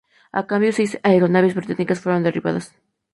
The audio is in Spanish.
A cambio seis aeronaves británicas fueron derribadas.